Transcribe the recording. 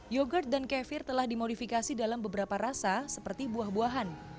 yogurt dan kefir telah dimodifikasi dalam beberapa rasa seperti buah buahan